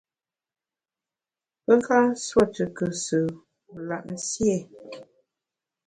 Pe nka nsuo tù kùsù wu lap nsié ?